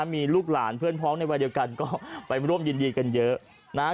มีลูกหลานเพื่อนพ้องในวัยเดียวกันก็ไปร่วมยินดีกันเยอะนะฮะ